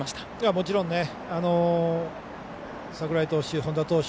もちろん、櫻井投手本田投手